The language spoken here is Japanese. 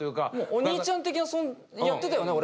お兄ちゃん的なやってたよね俺。